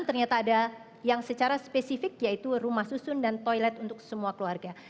ternyata ada yang secara spesifik yaitu rumah susun dan toilet untuk semua keluarga